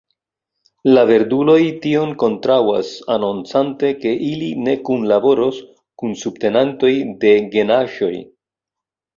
La verduloj tion kontraŭas, anoncante, ke ili ne kunlaboros kun subtenantoj de genaĵoj.